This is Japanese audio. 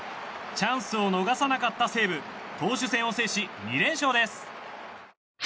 チャンスを逃さなかった西武投手戦を制し、２連勝です。